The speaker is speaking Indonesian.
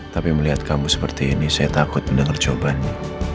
tapi melihat kamu seperti ini saya takut mendengar jawabannya